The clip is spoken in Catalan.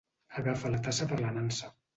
Agafa la tassa per la nansa.